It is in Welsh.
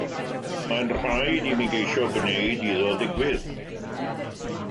Mae'n rhaid i mi geisio gwneud iddo ddigwydd.